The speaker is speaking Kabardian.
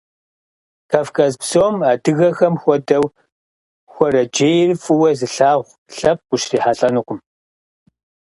Кавказ псом адыгэхэм хуэдэу хуэрэджейр фӀыуэ зылъагъу лъэпкъ ущрихьэлӀэнукъым.